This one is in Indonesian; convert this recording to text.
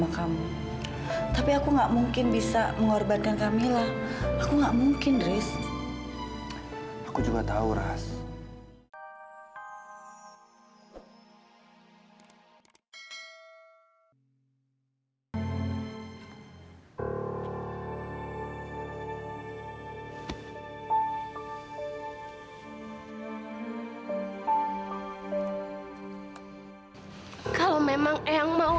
kalau memang eyang mau